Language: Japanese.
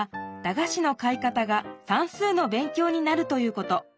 がしの買い方が算数の勉強になるということ。